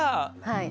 はい。